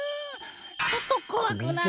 ちょっと怖くない？